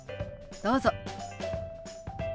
どうぞ。